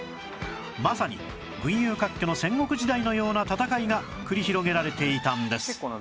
まさに群雄割拠の戦国時代のような戦いが繰り広げられていたんです